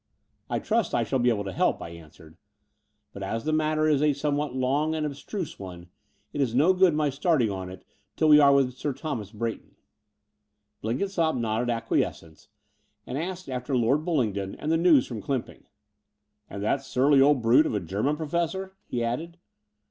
I trust I shall be able to help," I answered; but, as the matter is a somewhat long and ab struse one, it is no good my starting on it till we are with Sir Thomas Bray ton." Blenkinsopp nodded acquiescence, and asked after Lord Bullingdon and the news from Cljmiping. "And that surly old brute of a German Pro fessor?" he added.